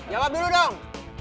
jawab dulu dong